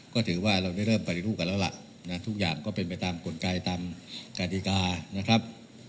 ก็ถือว่าเราได้เริ่มปฏิรูปกันแล้วล่ะทุกอย่างก็เป็นไปตามกลไกตามกฎิกานะครับ